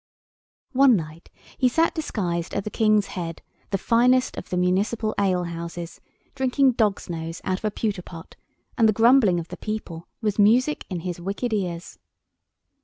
One night he sat disguised at the King's Head—the finest of the municipal alehouses—drinking dog's nose out of a pewter pot, and the grumbling of the people was music in his wicked ears.